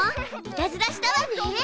いたずらしたわね。